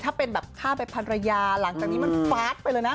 ถ้าเป็นแบบฆ่าไปพันรยาหลังจากนี้มันฟาดไปเลยนะ